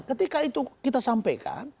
ketika itu kita sampaikan